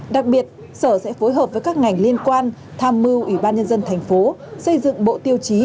đặc biệt sở sẽ phối hợp với các ngành liên quan tham mưu ủy ban nhân dân thành phố xây dựng bộ tiêu chí